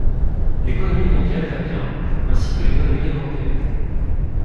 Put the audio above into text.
L’économie mondiale va bien, ainsi que l’économie européenne.